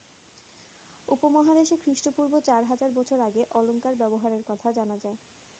উপমহাদেশে খ্রিস্টপূর্ব চার হাজার বছর আগে অলঙ্কার ব্যবহারের কথা জানা যায়।